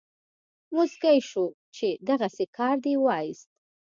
موسکی شو چې دغسې کار دې وایست.